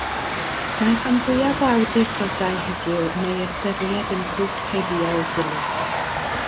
Mae'r rhan fwyaf o awdurdodau heddiw yn ei ystyried yn grŵp teuluol dilys.